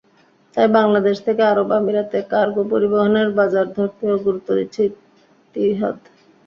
তাই বাংলাদেশ থেকে আরব আমিরাতে কার্গো পরিবহনের বাজার ধরতেও গুরুত্ব দিচ্ছে ইতিহাদ।